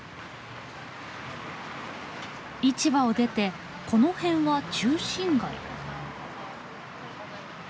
市場を出てこの辺は中心街。